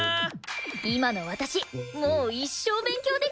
今の私もう一生勉強できそう！